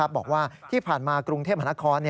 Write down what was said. บอกว่าที่ผ่านมากรุงเทพมหานคร